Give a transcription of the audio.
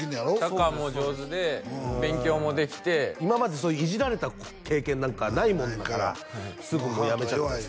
サッカーも上手で勉強もできて今までいじられた経験なんかないもんだからすぐもうやめちゃったんです